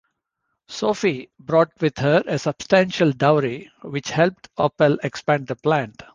Sophie brought with her a substantial dowry, which helped Opel expand the plant.